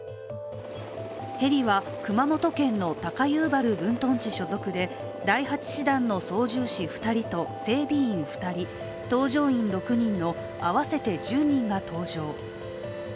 ヘリは熊本県の高遊原分屯地所属で第８師団の操縦士２人と整備員２人、搭乗員６人の合わせて１０人が搭乗。